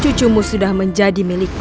cucumu sudah menjadi milikmu